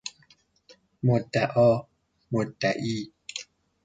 مدعا ـ مدعی